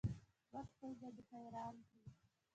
بد خوی به دې حیران کړي.